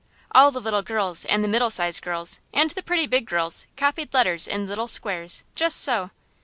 All the little girls and the middle sized girls and the pretty big girls copied letters in little squares, just so.